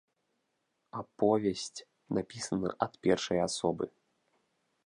Аповесць напісана ад першай асобы.